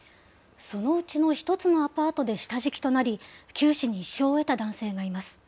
そのうちの１つのアパートで下敷きとなり、九死に一生を得た男性がいます。